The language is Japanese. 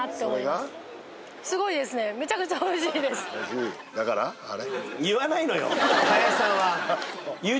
すごいですねあれ？